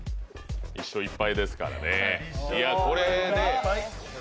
１勝１敗ですからね。